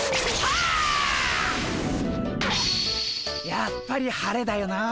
やっぱり晴れだよなあ。